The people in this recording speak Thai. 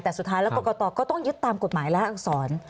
แต่สุดท้ายแล้วกรกตก็ต้องยึดตามกฎหมายและอักษร